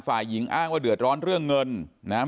ฝ่ายหญิงอ้างว่าเดือดร้อนเรื่องเงินนะครับ